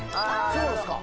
そうですか。